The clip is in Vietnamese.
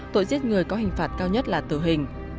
tội giết người có hình phạt cao nhất là tử hình